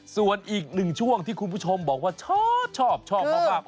ส่วนอีกหนึ่งช่วงที่คุณผู้ชมบอกว่าชอบชอบมาก